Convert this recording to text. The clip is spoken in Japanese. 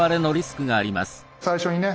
最初にね